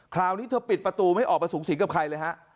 คราวนี้เธอปิดประตูไม่ออกมาสูงสิงกับใครเลยฮะ